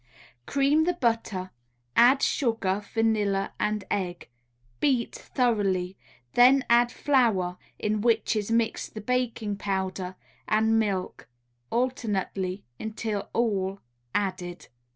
Cream the butter, add sugar, vanilla and egg; beat thoroughly, then add flour (in which is mixed the baking powder) and milk, alternately, until all added.